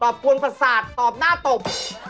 กวนประสาทตอบหน้าตบ